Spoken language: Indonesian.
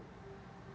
untuk dikritisi selalu